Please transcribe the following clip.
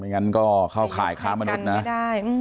ไม่งั้นก็เข้าข่ายค้ามนุษย์นะ